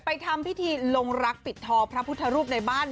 ทำพิธีลงรักปิดทอพระพุทธรูปในบ้าน